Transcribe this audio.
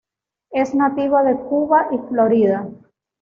Es nativa de Cuba y Florida.